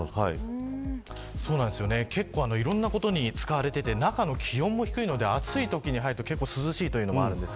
結構、いろんなことに使われていて中の気温も低いので暑いときに入ると涼しいこともあります。